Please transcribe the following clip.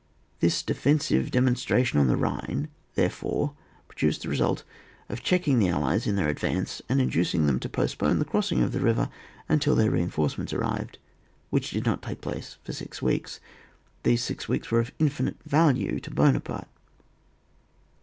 This defen sive demonstration on the Hhine, there fore, produced the result of checking the Allies in their advance, and induced them to postpone the crossing of the river imtil their reinforcements arrived, which did not take place for six weeks. These six weeks were of infinite value to Buona parte.